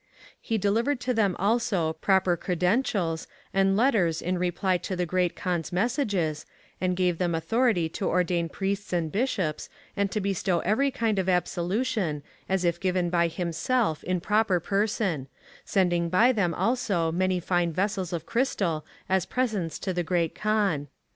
^ He delivered to them also proper credentials, and letters in reply to the Great Kaan's messages [and gave them authority to ordain priests and bishops, and to bestow every kind of absolution, as if given by himself in proper person ; sending by them also many fine vessels of crystal as presents to the Great Kaan].